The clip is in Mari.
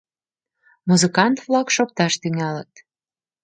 Музыкант-влак шокташ тӱҥалыт.